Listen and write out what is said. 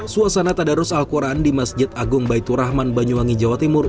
suasana tadarus al quran di masjid agung baitur rahman banyuwangi jawa timur